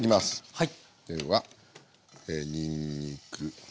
はい。